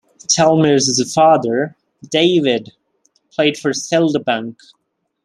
Chalmers' father, David, played for Clydebank.